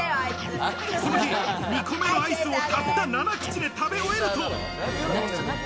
この日、２個目のアイスをたった７口で食べ終えると。